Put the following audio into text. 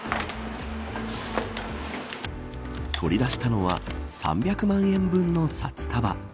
取り出したのは３００万円分の札束。